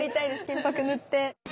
金箔塗って。